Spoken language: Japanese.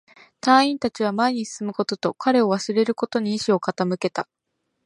隊員達は前に進むことと、彼を忘れることに意志を傾けた